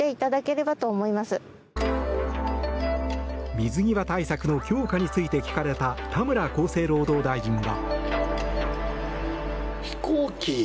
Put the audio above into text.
水際対策の強化について聞かれた田村厚生労働大臣は。